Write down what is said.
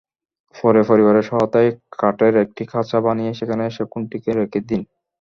পরে পরিবারের সহায়তায় কাঠের একটি খাঁচা বানিয়ে সেখানে শকুনটিকে রেখে দেন।